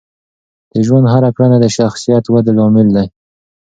د ژوند هره کړنه د شخصیت ودې لامل ده.